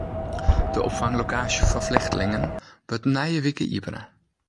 De opfanglokaasje foar flechtlingen wurdt nije wike iepene.